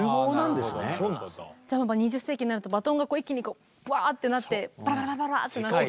じゃあ２０世紀になるとバトンが一気にこうブワッてなってバラバラバラバラってなって。